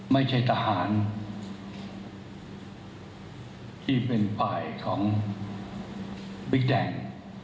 ไม่ใช่ทหารที่เป็นฝ่ายของบิ๊กแดง